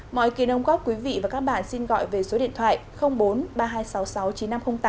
mọi kỳ đồng góp quý vị và các bạn xin gọi về số điện thoại bốn ba nghìn hai trăm sáu mươi sáu chín nghìn năm trăm linh tám